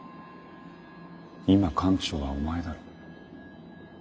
今艦長はお前だろ。